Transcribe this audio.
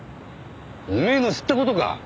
おめえの知った事か！